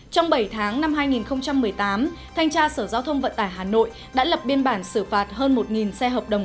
trong bảy tháng năm hai nghìn một mươi tám thanh tra sở giao thông vận tải hà nội đã lập biên bản xử phạt hơn một xe hợp đồng